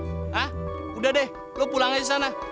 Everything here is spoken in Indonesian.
hah udah deh lo pulang aja disana